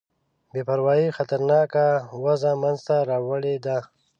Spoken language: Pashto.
بې پروايي خطرناکه وضع منځته راوړې ده.